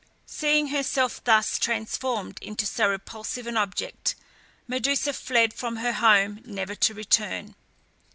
Seeing herself thus transformed into so repulsive an object, Medusa fled from her home, never to return.